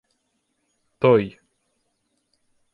— Той.